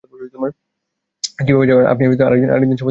কীভাবে যাবে, আপনি আরেক দিন সময় দিলে আমরা বুঝিয়ে দিতে পারব।